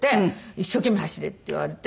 「一生懸命走れ」って言われて。